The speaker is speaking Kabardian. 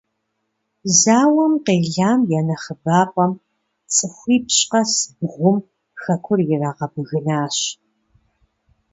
Зауэм къелам я нэхъыбапӀэм - цӀыхуипщӀ къэс бгъум - хэкур ирагъэбгынащ.